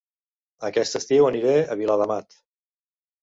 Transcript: Aquest estiu aniré a Viladamat